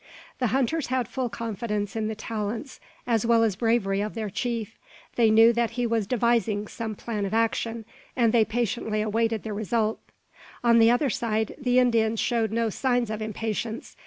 The hunters had full confidence in the talents as well as bravery of their chief. They knew that he was devising some plan of action, and they patiently awaited the result. On the other side, the Indians showed no signs of impatience.